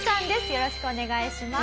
よろしくお願いします。